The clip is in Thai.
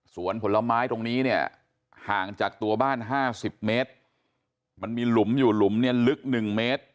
ผลไม้ตรงนี้เนี่ยห่างจากตัวบ้าน๕๐เมตรมันมีหลุมอยู่หลุมเนี่ยลึก๑เมตร